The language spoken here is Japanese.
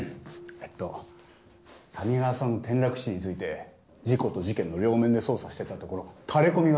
えっと谷川さんの転落死について事故と事件の両面で捜査してたところタレこみがあったんですよ。